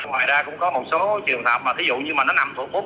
ngoài ra cũng có một số trường hợp mà thí dụ như mà nó nằm tổ quốc